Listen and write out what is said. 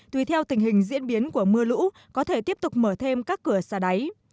tùy theo tình hình diễn biến của mưa lũ có thể tiếp tục mở thêm các cửa xa đáy